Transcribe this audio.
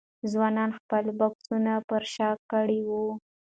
ځوانانو خپل بکسونه پر شا کړي وو.